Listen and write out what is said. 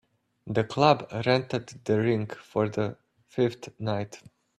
The club rented the rink for the fifth night.